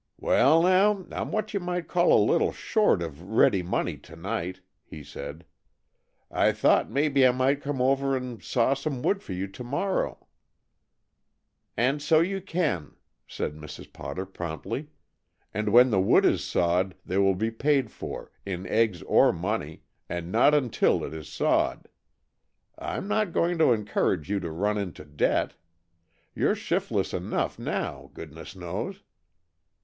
"Well, now, I'm what you might call a little short of ready money tonight," he said. "I thought maybe I might come over and saw some wood for you tomorrow " "And so you can," said Mrs. Potter promptly, "and when the wood is sawed they will be paid for, in eggs or money, and not until it is sawed. I'm not going to encourage you to run into debt. You 're shiftless enough now, goodness knows."